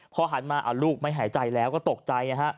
พอหันมาลูกไม่หายใจแล้วก็ตกใจ